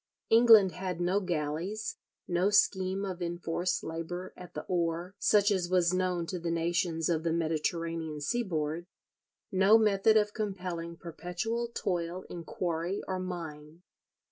England had no galleys, no scheme of enforced labour at the oar, such as was known to the nations of the Mediterranean seaboard, no method of compelling perpetual toil in quarry or mine.